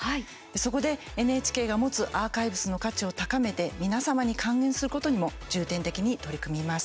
そこでＮＨＫが持つアーカイブスの価値を高めて皆様に還元することにも重点的に取り組みます。